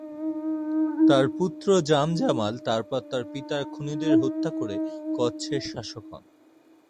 তার পুত্র জাম জামাল তারপরে তাঁর পিতার খুনিদের হত্যা করে কচ্ছের শাসক হন।